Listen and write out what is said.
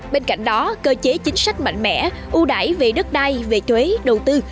bên cạnh đó cơ chế chính sách mạnh mẽ ưu đải về đất đai về thuế đầu tư